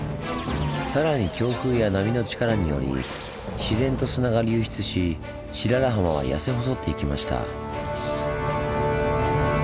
さらに強風や波の力により自然と砂が流出し白良浜はやせ細っていきました。